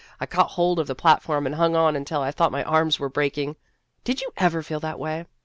I caught hold of the platform and hung on until I thought my arms were breaking. Did you ever feel that way